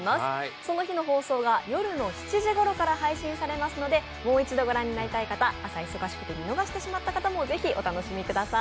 その日の放送が夜の７時ごろから配信されますのでもう一度御覧になりたい方朝、忙しくて見逃してしまった方もぜひお楽しみください。